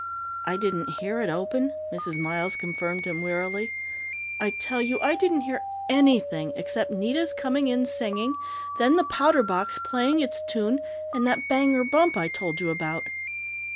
"I didn't hear it open," Mrs. Miles confirmed him wearily. "I tell you I didn't hear anything, except Nita's coming in singing, then the powder box playing its tune, and that bang or bump I told you about."